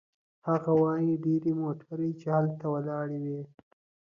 هغه وايي: "ډېرې موټرې چې هلته ولاړې وې